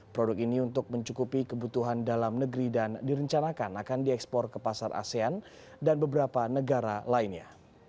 produk ini untuk mencukupi kebutuhan dalam negeri dan direncanakan akan diekspor ke pasar asean dan beberapa negara lainnya